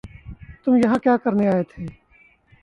تم یہاں کیا کرنے آئے تھے